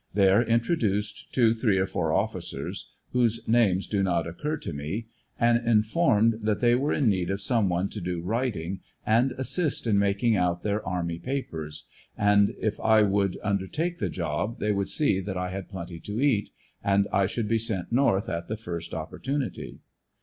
There introduced to three or four officers, whose names do not occur to 116 ANDER80NYILLE DIABT. me, and informed that they were in need of some one to do writing and assist in making out their army papers, and if I would under take the job, they would see that I had plenty to eat, and 1 should be sent ISorth at the first opportunity.